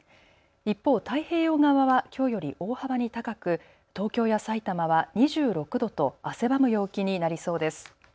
一方、太平洋側はきょうより大幅に高く東京やさいたまは２６度と汗ばむ陽気になりそうです。